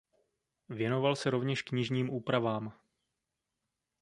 Věnoval se rovněž knižním úpravám.